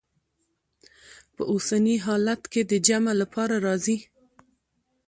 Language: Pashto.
په اوسني حالت کې د جمع لپاره راځي.